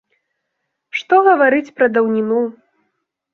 Што гаварыць пра даўніну.